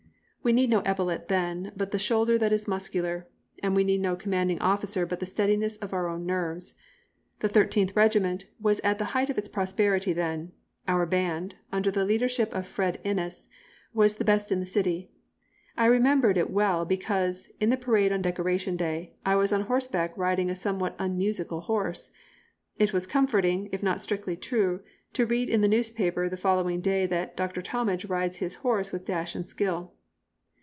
We needed no epaulet then but the shoulder that is muscular, and we needed no commanding officer but the steadiness of our own nerves. The Thirteenth Regiment was at the height of its prosperity then; our band, under the leadership of Fred Inness, was the best in the city. I remembered it well because, in the parade on Decoration Day, I was on horseback riding a somewhat unmusical horse. It was comforting, if not strictly true, to read in the newspaper the following day that "Doctor Talmage rides his horse with dash and skill."